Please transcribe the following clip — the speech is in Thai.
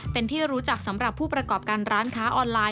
เป็นที่รู้จักสำหรับผู้ประกอบการร้านค้าออนไลน์